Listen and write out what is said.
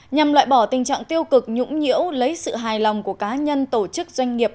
nhằm loại bỏ tình trạng tiêu cực nhũng nhiễu lấy sự hài lòng của cá nhân tổ chức doanh nghiệp